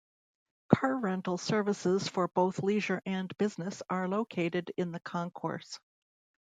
Car rental services for both leisure and business are located in the concourse.